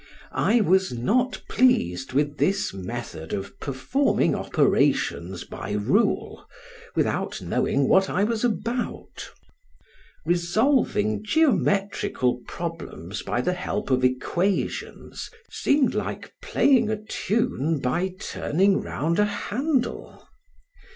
I was not pleased with this method of performing operations by rule without knowing what I was about: resolving geometrical problems by the help of equations seemed like playing a tune by turning round a handle.